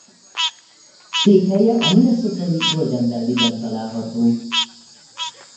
Székhelye a minnesotai Golden Valleyben található.